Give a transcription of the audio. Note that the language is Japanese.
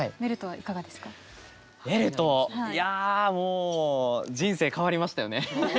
「メルト」いやもう人生変わりましたよね。